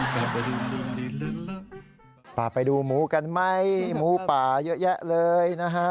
ไปดูหมูกันไหมหมูป่าเยอะแยะเลยนะฮะ